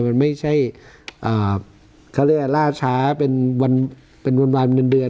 มันไม่ใช่อ่าเขาเรียกว่าล่าช้าเป็นวันเป็นวันวานเมือนเดือน